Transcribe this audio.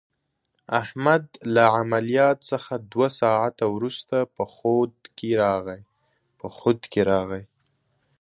احمد له عملیات څخه دوه ساعته ورسته په خود کې راغی.